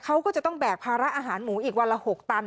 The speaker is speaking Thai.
เขาก็จะต้องแบกภาระอาหารหมูอีกวันละ๖ตัน